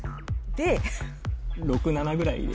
で６７ぐらいで